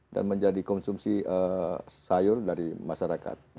dan menjadi konsumsi sayur dari masyarakat